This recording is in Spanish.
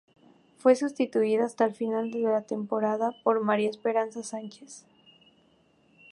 Fue sustituida hasta final de temporada por María Esperanza Sánchez.